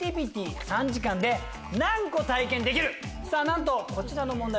なんとこちらの問題